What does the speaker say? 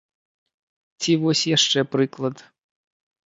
Ці вось яшчэ прыклад.